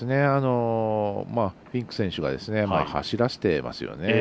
フィンク選手が走らせてますよね。